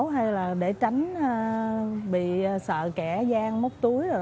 hay là để tránh bị sợ kẻ gian móc túi